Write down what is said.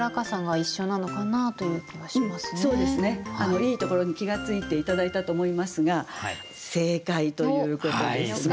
いいところに気が付いて頂いたと思いますが正解ということですね。